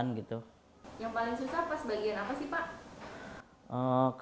yang paling susah apa sebagian apa sih pak